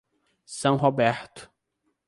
São Roberto